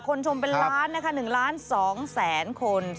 ชมเป็นล้านนะคะ๑ล้าน๒แสนคน